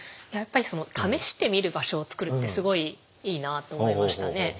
やっぱり試してみる場所を作るってすごいいいなあと思いましたね。